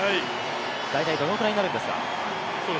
大体どのくらいになるんですか。